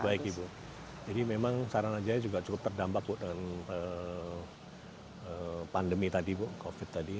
betul baik ibu jadi memang saranajaya juga cukup terdampak dengan pandemi covid tadi